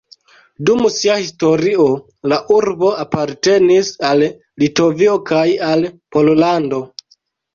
Dum sia historio la urbo apartenis al Litovio kaj al Pollando.